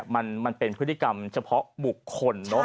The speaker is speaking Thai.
มันเป็นพฤติกรรมเฉพาะบุคคลเนอะ